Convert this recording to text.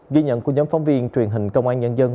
ghi nhận của nhóm phóng viên truyền hình công an nhân dân